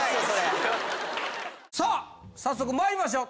早速まいりましょう。